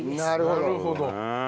なるほど。